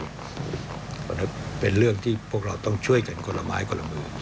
เพราะฉะนั้นเป็นเรื่องที่พวกเราต้องช่วยกันคนละไม้คนละมือ